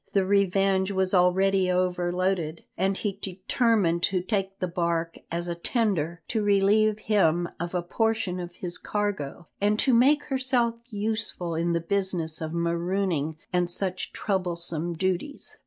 The Revenge was already overloaded, and he determined to take the bark as a tender to relieve him of a portion of his cargo and to make herself useful in the business of marooning and such troublesome duties.